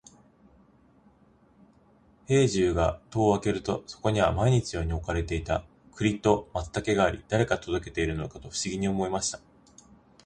兵十が戸を開けると、そこには毎日のように置かれていた栗と松茸があり、誰が届けているのかと不思議に思いました。